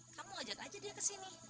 kamu ajak aja dia ke sini